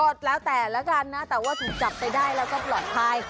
ก็แล้วแต่ละกันนะแต่ว่าถูกจับไปได้แล้วก็ปลอดภัย